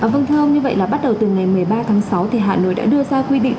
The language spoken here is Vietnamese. vâng thưa ông như vậy là bắt đầu từ ngày một mươi ba tháng sáu thì hà nội đã đưa ra quy định